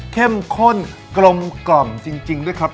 โอเคครับเราก็ใส่หอยที่เมื่อกี้เราลวกไว้แล้วก็แกะออกมาจากเนื้อแล้วนะครับ